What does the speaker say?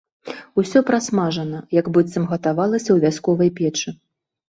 Усё прасмажана, як быццам гатавалася ў вясковай печы.